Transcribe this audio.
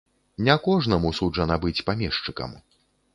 Не кожнаму суджана быць памешчыкам.